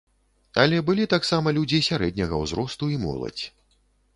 Але былі таксама людзі сярэдняга ўзросту і моладзь.